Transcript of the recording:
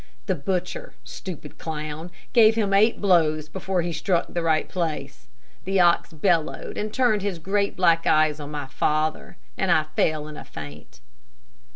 The butcher, stupid clown, gave him eight blows before he struck the right place. The ox bellowed, and turned his great black eyes on my father, and I fell in a faint."